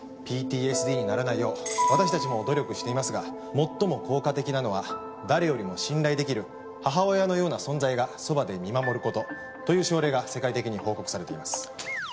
ＰＴＳＤにならないよう私たちも努力していますが最も効果的なのは誰よりも信頼出来る母親のような存在がそばで見守る事という症例が世界的に報告されています。